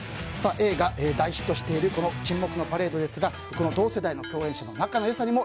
映画大ヒットしている「沈黙のパレード」ですが同世代の共演者の仲の良さにも